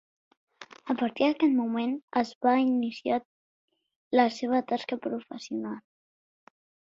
A partir d'aquest moment es va iniciar la seva tasca professional.